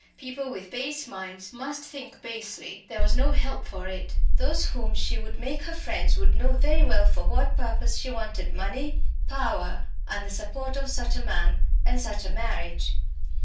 People with base minds must think basely; there was no help for it. Those whom she would make her friends would know very well for what purpose she wanted money, power, and the support of such a man, and such a marriage.